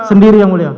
sendiri yang mulia